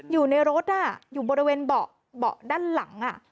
อยู่ในรถอยู่บริเวณเบาะด้านหลัง